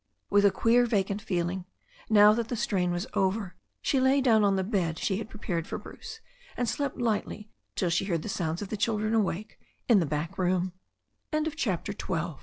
With a queer, vacant feeling, now that the strain was over, she lay down on the bed she had prepared for Bruce, and slept lightly till she heard the sounds of the children awake^ in